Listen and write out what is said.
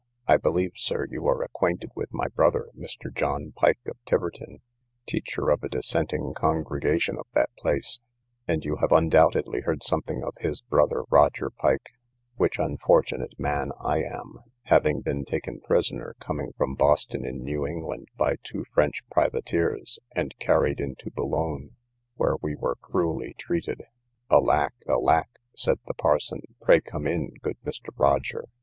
I believe, Sir, you are acquainted with my brother, Mr. John Pike, of Tiverton, teacher of a dissenting congregation of that place; and you have undoubtedly heard something of his brother Roger Pike, which unfortunate man I am, having been taken prisoner coming from Boston in New England, by two French privateers, and carried into Boulogne, where we were cruelly treated. Alack, alack! said the parson; pray come in, good Mr. Roger.